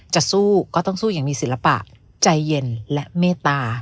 จะสู้ก็ต้องสู้อย่างมีศิลปะใจเย็นและเมตตา